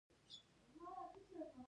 ما د هغي کره ډوډي وخوړه